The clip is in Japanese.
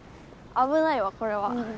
危ないわこれは。